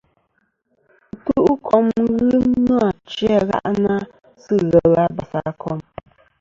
Ɨtu'kom ghɨ nô achi a gha'nɨ-a sɨ ghelɨ abas a kom.